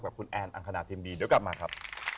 กับคุณแอนอังคณาทีมดีเดี๋ยวกลับมาครับ